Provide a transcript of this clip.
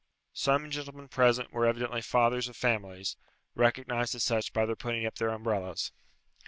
Some gentlemen present were evidently fathers of families, recognized as such by their putting up their umbrellas.